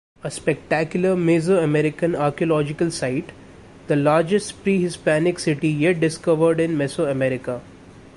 A spectacular mesoamerican archaeological site, the largest prehispanic city yet discovered in Mesoamerica.